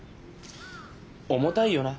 重たいよな。